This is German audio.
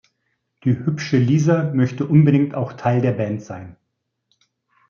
Die hübsche Lisa möchte unbedingt auch Teil der Band sein.